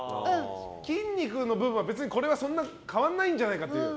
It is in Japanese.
筋肉の部分は、そんなに変わらないんじゃないかと。